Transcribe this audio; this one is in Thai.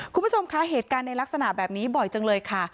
คุณผู้ชมคะเหตุการณ์ในลักษณะแบบนี้บ่อยจังเลยค่ะ